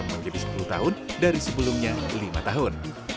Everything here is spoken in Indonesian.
menjadi sepuluh tahun dari sebelumnya lima tahun